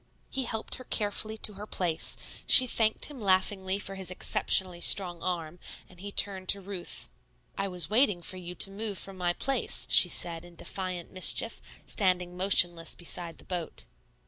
He helped her carefully to her place; she thanked him laughingly for his exceptionally strong arm, and he turned to Ruth. "I was waiting for you to move from my place," she said in defiant mischief, standing motionless beside the boat.